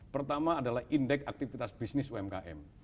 pertama adalah indeks aktivitas bisnis umkm